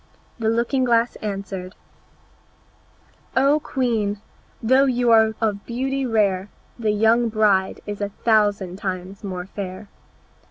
The looking glass answered, "O Queen, although you are of beauty rare, The young bride is a thousand times more fair."